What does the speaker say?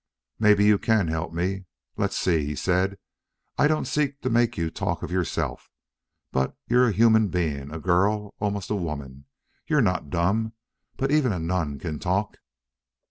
"Maybe you CAN help me. Let's see," he said. "I don't seek to make you talk of yourself. But you're a human being a girl almost a woman. You're not dumb. But even a nun can talk."